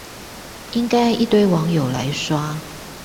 應該一堆網友來刷